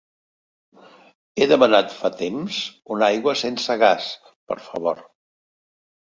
He demanat fa temps una aigua sense gas, per favor.